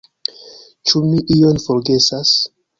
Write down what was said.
Ĉu mi ion forgesas?